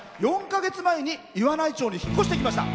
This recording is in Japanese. ４か月前に岩内町に引っ越してきました。